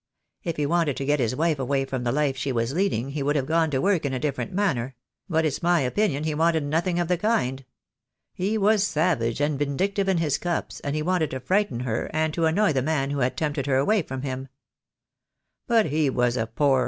If he wanted to get his wife away from the life she was leading he would have gone to work in a different manner; but it's my opinion he wanted nothing of the kind. He was savage and vindictive in his cups, and he wanted to frighten her and to annoy the man who had tempted her away from him. But he was a poor THE DAY WILL COME.